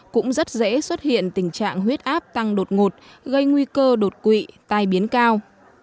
cũng rất dễ xuất hiện tình trạng huyết áp tăng đột ngột gây nguy cơ đột quỵ tai biến cao